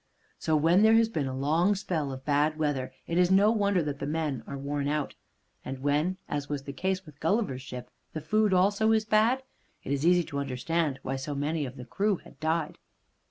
So, when there has been a long spell of bad weather, it is no wonder that the men are worn out. And when, as was the case with Gulliver's ship, the food also is bad, it is easy to understand why so many of the crew had died.